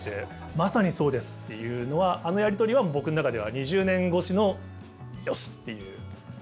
「まさにそうです」っていうのはあのやり取りは僕の中では２０年越しの「よしっ」ていう。